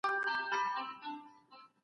اقتصادي شرایط د حکومت لخوا کنټرولیږي.